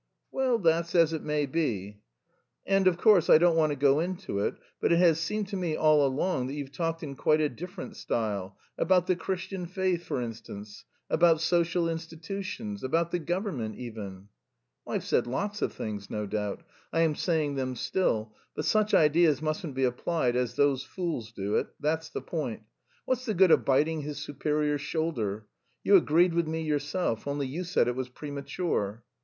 "Well, that's as it may be." "And, of course, I don't want to go into it.... But it has seemed to me all along that you've talked in quite a different style about the Christian faith, for instance, about social institutions, about the government even...." "I've said lots of things, no doubt, I am saying them still; but such ideas mustn't be applied as those fools do it, that's the point. What's the good of biting his superior's shoulder! You agreed with me yourself, only you said it was premature."